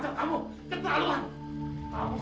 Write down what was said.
biar aku ambil gembel ini